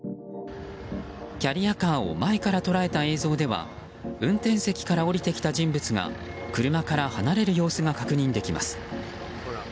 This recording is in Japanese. キャリアカーを前から捉えた映像では運転席から降りてきた人物が車から離れる様子が確認できます。